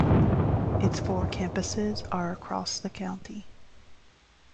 Its four campuses are across the county.